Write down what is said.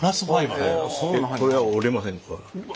これは折れませんから。